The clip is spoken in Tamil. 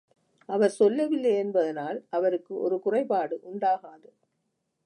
அவர் சொல்லவில்லை என்பதனால் அவருக்கு ஒரு குறைபாடு உண்டாகாது.